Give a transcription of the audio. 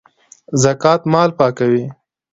زکات مال پاکوي